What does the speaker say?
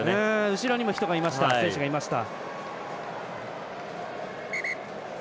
後ろにも選手がいました。